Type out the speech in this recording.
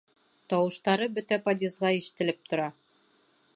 Тауыштары бөтә подъезға ишетелеп тора.